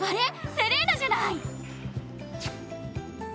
セレーナじゃない！？